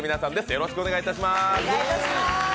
よろしくお願いします。